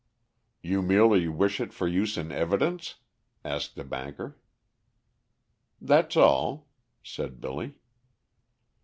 "You merely wish it for use in evidence?" asked the banker. "That's all," said Billy.